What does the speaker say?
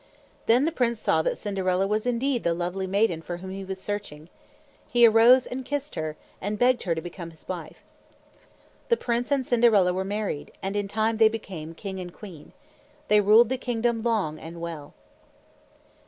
Then the prince saw that Cinderella was indeed the lovely maiden for whom he was searching. He arose and kissed her, and begged her to become his wife. The prince and Cinderella were married, and in time they became king and queen. They ruled the kingdom long and well.